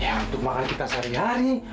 ya untuk makan kita sehari hari